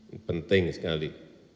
ini penting sekali